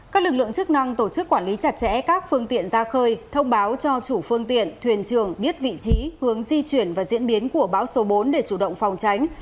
các lực lượng chức năng tổ chức quản lý chặt chẽ các phương tiện ra khơi thông báo cho chủ phương tiện thuyền trường biết vị trí hướng di chuyển và diễn biến của bão số bốn để chủ động phòng tránh